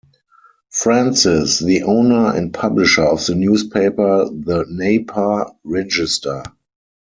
Francis, the owner and publisher of the newspaper the "Napa Register".